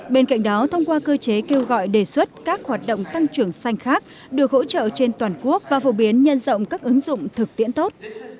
bên cạnh đó thông qua cơ chế kêu gọi đề xuất các hoạt động tăng trưởng xanh khác được hỗ trợ trên toàn quốc và phổ biến nhân rộng các ứng dụng thực tiễn tốt